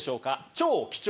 超貴重！